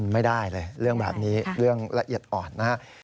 ไม่ได้เลยเรื่องแบบนี้เรื่องละเอียดอ่อนนะครับ